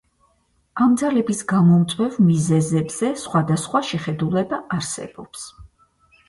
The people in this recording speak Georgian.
ამ ძალების გამომწვევ მიზეზებზე სხვადასხვა შეხედულება არსებობს.